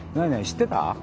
知ってた？